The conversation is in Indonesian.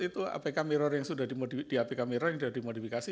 itu apk mirror yang sudah di apk mirror yang sudah dimodifikasi